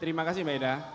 terima kasih mbak ida